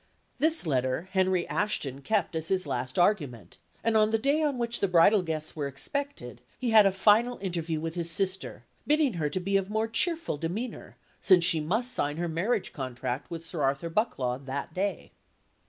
This letter Henry Ashton kept as his last argument; and on the day on which the bridal guests were expected, he had a final interview with his sister, bidding her to be of more cheerful demeanour, since she must sign her marriage contract with Sir Arthur Bucklaw that day.